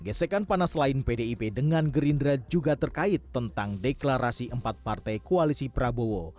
gesekan panas lain pdip dengan gerindra juga terkait tentang deklarasi empat partai koalisi prabowo